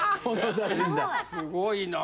すごいなぁ。